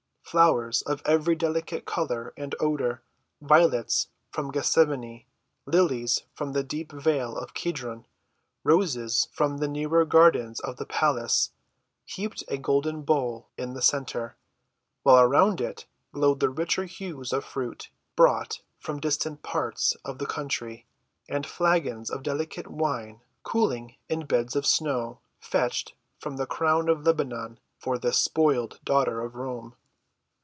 Flowers of every delicate color and odor, violets from Gethsemane, lilies from the deep vale of Kedron, roses from the nearer gardens of the palace, heaped a golden bowl in the center, while around it glowed the richer hues of fruit, brought from distant parts of the country, and flagons of delicate wine, cooling in beds of snow fetched from the crown of Lebanon for this spoiled daughter of Rome.